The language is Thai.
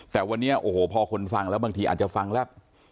แต่วันนี้โอ้โหพอคนฟังแล้วบางทีอาจจะฟังแล้ว